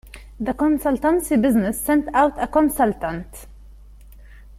The consultancy business sent out a consultant.